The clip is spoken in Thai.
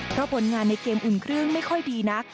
เพราะผลงานในเกมอุ่นเครื่องไม่ค่อยดีนัก